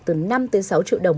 từ năm tới sáu triệu đồng